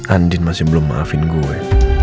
andin masih belum maafin gue